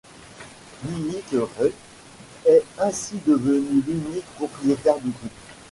Munich Re est ainsi devenue l'unique propriétaire du groupe.